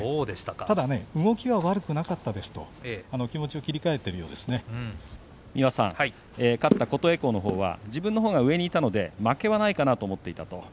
ただ動きは悪くなかったですと勝った琴恵光のほうは自分のほうが上にいたので負けはないかなと思っていた。